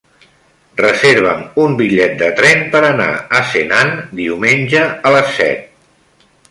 Reserva'm un bitllet de tren per anar a Senan diumenge a les set.